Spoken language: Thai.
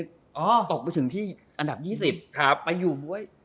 คนที่ตกไปถึงที่อันดับยี่สิบครับไปอยู่บ้วย